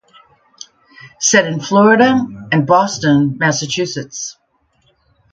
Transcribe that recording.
Set in Florida and Boston, Massachusetts.